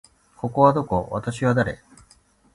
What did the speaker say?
ここはどこ？私は誰？